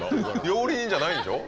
料理人じゃないんでしょ？